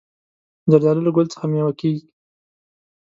زردالو له ګل څخه مېوه کېږي.